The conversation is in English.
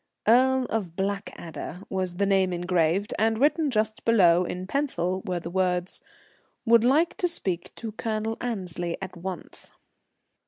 "Earl of Blackadder" was the name engraved, and written just below in pencil were the words, "would like to speak to Colonel Annesley at once."